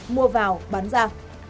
mua vào bán ra